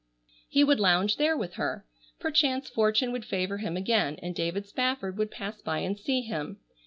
He would lounge there with her. Perchance fortune would favor him again and David Spafford would pass by and see him.